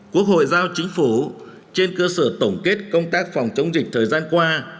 quốc hội giao chính phủ trên cơ sở tổng kết công tác phòng chống dịch thời gian qua